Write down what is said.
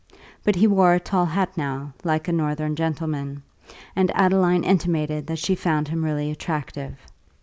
But he wore a tall hat now, like a Northern gentleman, and Adeline intimated that she found him really attractive.